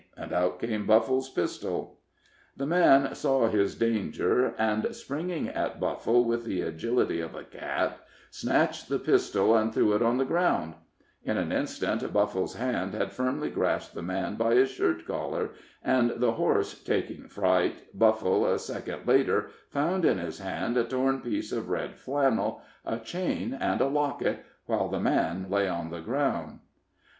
And out came Buffle's pistol. The man saw his danger, and, springing at Buffle with the agility of a cat, snatched the pistol and threw it on the ground; in an instant Buffle's hand had firmly grasped the man by his shirt collar, and, the horse taking fright, Buffle, a second later, found in his hand a torn piece of red flannel, a chain, and a locket, while the man lay on the ground.